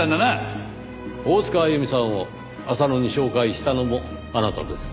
大塚あゆみさんを浅野に紹介したのもあなたですね。